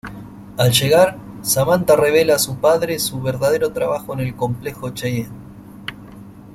Al llegar, Samantha revela a su padre, su verdadero trabajo en el Complejo Cheyenne.